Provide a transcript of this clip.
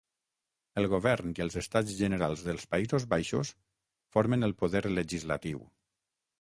El govern i els Estats Generals dels Països Baixos formen el poder legislatiu.